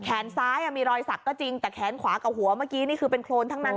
แขนซ้ายมีรอยสักก็จริงแต่แขนขวากับหัวเมื่อกี้นี่คือเป็นโครนทั้งนั้น